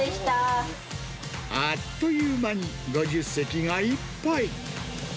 あっという間に５０席がいっぱい。